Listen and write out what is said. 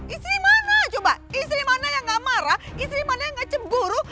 istri mana coba istri mana yang gak marah istri mana yang gak cemburu